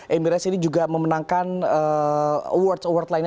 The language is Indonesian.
emirates ini juga memenangkan awards award lainnya